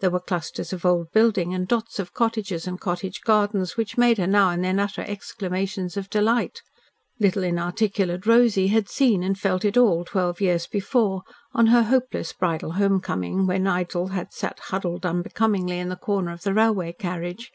There were clusters of old buildings and dots of cottages and cottage gardens which made her now and then utter exclamations of delight. Little inarticulate Rosy had seen and felt it all twelve years before on her hopeless bridal home coming when Nigel had sat huddled unbecomingly in the corner of the railway carriage.